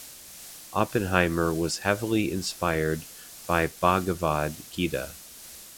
Oppenheimer was heavily inspired by Bhagavad Gita.